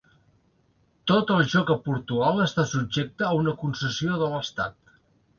Tot el joc a Portugal està subjecte a una concessió de l'estat.